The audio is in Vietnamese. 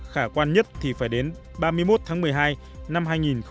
khả quan nhất thì phải đến ba mươi một tháng một mươi hai năm hai nghìn hai mươi